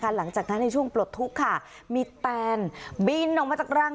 หลังจากนั้นในช่วงปลดทุกข์ค่ะมีแตนบินออกมาจากรัง